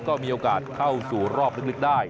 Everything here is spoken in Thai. ก็มีโอกาสเข้าสู่รอบลึกได้